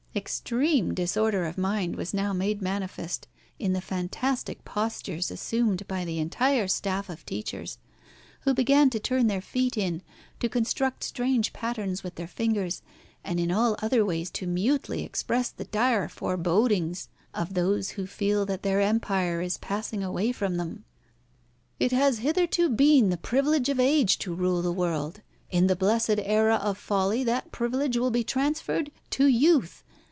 Extreme disorder of mind was now made manifest in the fantastic postures assumed by the entire staff of teachers, who began to turn their feet in, to construct strange patterns with their fingers, and in all other known ways to mutely express the dire forebodings of those who feel that their empire is passing away from them. "It has hitherto been the privilege of age to rule the world. In the blessed era of folly that privilege will be transferred to youth.